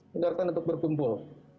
yang artinya untuk berkumpul